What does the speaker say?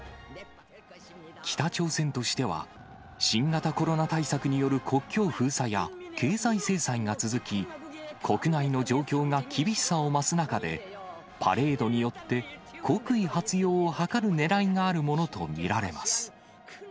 北朝鮮としては、新型コロナ対策による国境封鎖や経済制裁が続き、国内の状況が厳しさを増す中で、パレードによって国威発揚を図るねらいがあるものと見られます。